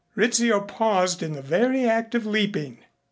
Rizzio paused in the very act of leaping.